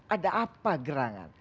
ada apa gerangan